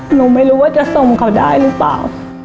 หนูไม่รู้ว่าจะส่งเขาได้หรือเปล่า